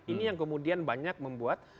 ini yang kemudian banyak membuat